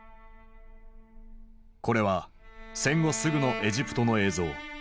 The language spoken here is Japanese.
これは戦後すぐのエジプトの映像。